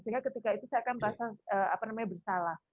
sehingga ketika itu saya akan merasa bersalah